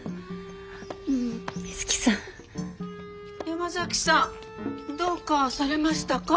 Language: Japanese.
山崎さんどうかされましたか？